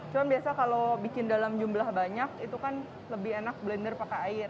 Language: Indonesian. cuma biasa kalau bikin dalam jumlah banyak itu kan lebih enak blender pakai air